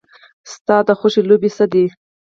ستا د خوښې لوبې څه دي؟